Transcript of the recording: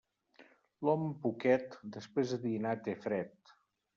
L'home poquet, després de dinat té fred.